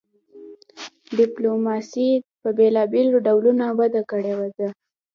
ډیپلوماسي په بیلابیلو ډولونو وده کړې ده